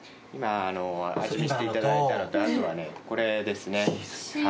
今味見していただいたのとあとはねこれですね。